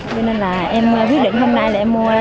cho nên là em quyết định hôm nay là em mua